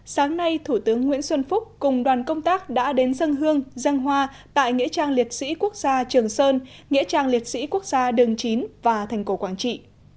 sáng nay thủ tướng nguyễn xuân phúc cùng đoàn công tác đã đến dân hương dân hoa tại nghĩa trang liệt sĩ quốc gia trường sơn nghĩa trang liệt sĩ quốc gia đường chín và thành cổ quảng trị